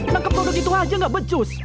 tangkap kodok itu aja gak becus